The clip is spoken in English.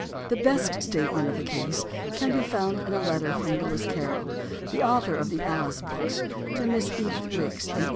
The best statement of the case can be found in a letter from "Lewis Carroll," author of the Alice books, to Miss Edith Rix in 1886.